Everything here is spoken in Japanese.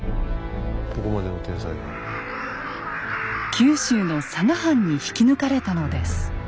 九州の佐賀藩に引き抜かれたのです。